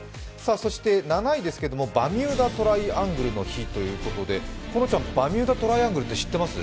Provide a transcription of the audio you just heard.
そして７位ですけれども、「バミューダトライアングルの日」ということで、このちゃん、バミューダトライアングルって知ってます？